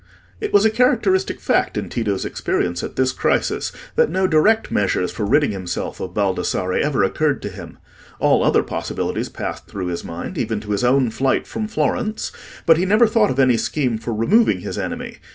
It was a characteristic fact in Tito's experience at this crisis, that no direct measures for ridding himself of Baldassarre ever occurred to him. All other possibilities passed through his mind, even to his own flight from Florence; but he never thought of any scheme for removing his enemy.